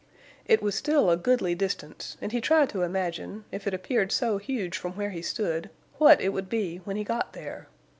It was still a goodly distance, and he tried to imagine, if it appeared so huge from where he stood, what it would be when he got there.